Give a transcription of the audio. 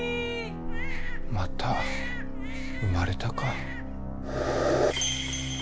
・また産まれたか。